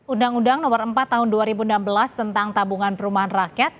undang undang nomor empat tahun dua ribu enam belas tentang tabungan perumahan rakyat